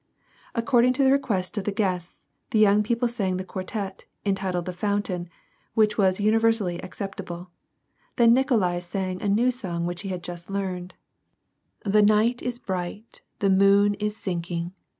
According to the request of the guests, the young people sang the quartet, entitled " The Fountain," which was universally acceptable ; then Nikolai sang a new song which he had just learned, — WAR AND PEACE. 79 I%e night is bright, the nuxm is sinking.